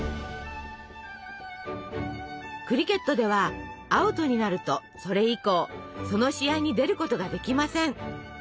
クリケットではアウトになるとそれ以降その試合に出ることができません。